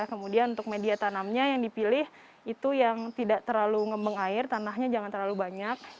kemudian untuk media tanamnya yang dipilih itu yang tidak terlalu ngembeng air tanahnya jangan terlalu banyak